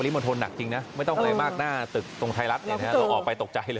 อันนี้มันโทนหนักจริงนะไม่ต้องอะไรมากหน้าตึกตรงไทยรัฐลงออกไปตกใจเลย